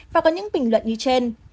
và có những bình luận như trên